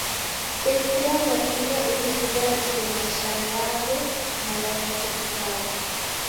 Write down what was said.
Tesia w'akiw'a, eri kughaluse maisha ghaw'o na gha vichuku vaw'o.